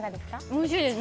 おいしいです。